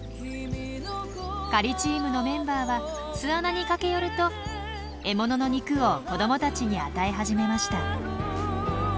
狩りチームのメンバーは巣穴に駆け寄ると獲物の肉を子どもたちに与え始めました。